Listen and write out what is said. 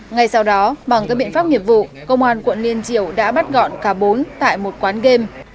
ngay sau đó bằng các biện pháp nghiệp vụ công an quận liên triều đã bắt gọn cả bốn tại một quán game